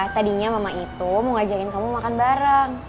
tadinya mama itu mau ngajakin kamu makan bareng